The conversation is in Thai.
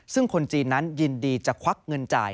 ซึ่งคนจีนนั้นยินดีจะควักเงินจ่าย